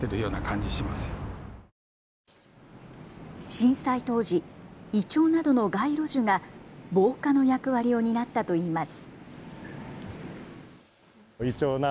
震災当時、イチョウなどの街路樹が防火の役割を担ったといいます。